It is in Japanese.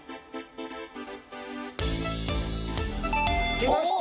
きました。